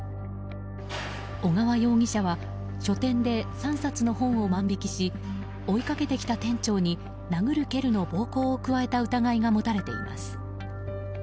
小川容疑者は書店で３冊の本を万引きし追いかけてきた店長に殴る蹴るの暴行を加えた疑いが持たれています。